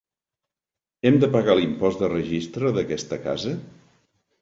Hem de pagar l'impost de registre d'aquesta casa?